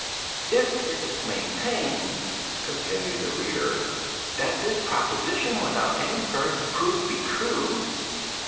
"'If it is maintained,'" continued the reader, "'that this proposition without any further proof be true....'"